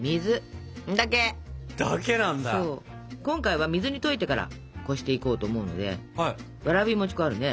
今回は水に溶いてからこしていこうと思うのでわらび餅粉あるね？